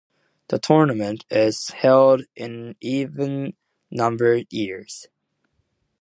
The tournament is held in even-numbered years.